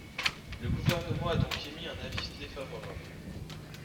Le Gouvernement a donc émis un avis défavorable.